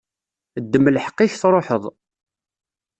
Ddem lḥeqq-ik tṛuḥeḍ.